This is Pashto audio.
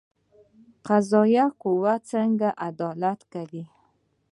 قضایه قوه څنګه عدالت کوي؟